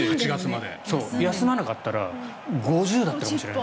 休まなかったら５０だったかもしれない。